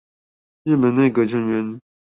日本內閣成員